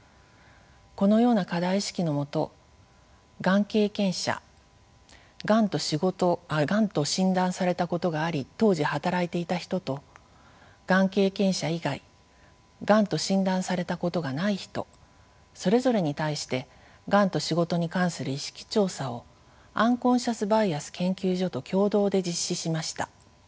このような課題意識のもとがん経験者がんと診断されたことがあり当時働いていた人とがん経験者以外がんと診断されたことがない人それぞれに対してがんと仕事に関する意識調査をアンコンシャスバイアス研究所と共同で実施しました。